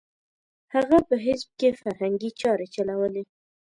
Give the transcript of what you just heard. هغه په حزب کې فرهنګي چارې چلولې.